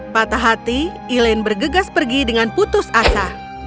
patah hati elaine bergegas pergi dengan putus asa